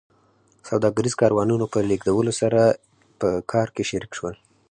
سوداګریزو کاروانونو په لېږدولو سره یې په کار کې شریک شول